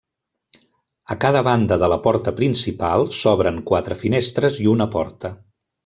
A cada banda de la porta principal s'obren quatre finestres i una porta.